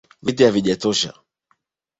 Viti havijatosha